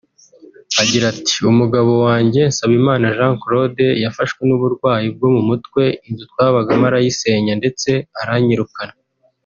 Aragira ati “Umugabo wanjye Nsabimana Jean Claude yafashwe n’uburwayi bwo mu mutwe inzu twabagamo arayisenya ndetse aranyirukana